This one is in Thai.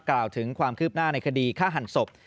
กล่าวถึงความคืบหน้าในคดีฆ่าหันศพ